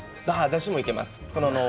だしもいけます。